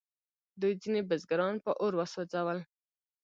دوی ځینې بزګران په اور وسوځول.